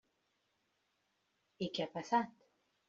I què ha passat?